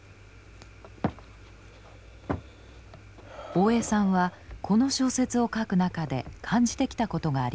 大江さんはこの小説を書く中で感じてきたことがあります。